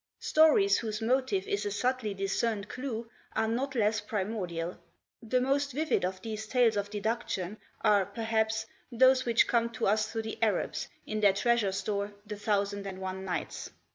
Stories whose motive is a subtly discerned clew are not less primordial. The most vivid of these tales of deduction are, perhaps, those which come to us through the Arabs, in their treasure store," The Thousand and One Nights."